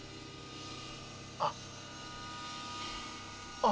あっ。